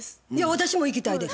私も行きたいです。